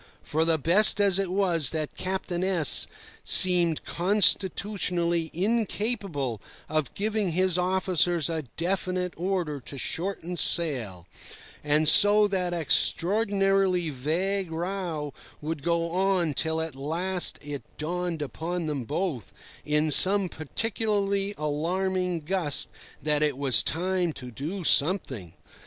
For the best of it was that Captain S— seemed constitutionally incapable of giving his officers a definite order to shorten sail; and so that extraordinarily vague row would go on till at last it dawned upon them both, in some particularly alarming gust, that it was time to do something.